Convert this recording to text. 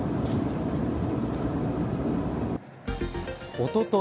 おととい